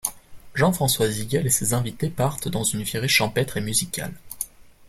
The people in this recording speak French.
Jean-François Zygel et ses invités partent dans une virée champêtre et musicale.